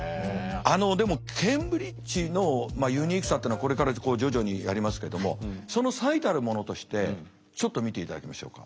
あのでもケンブリッジのユニークさっていうのはこれから徐々にやりますけどもその最たるものとしてちょっと見ていただきましょうか？